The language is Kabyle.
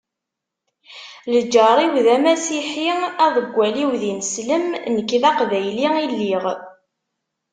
Lǧar-iw d amasiḥi, aḍeggal-iw d ineslem, nekk d aqbayli i lliɣ.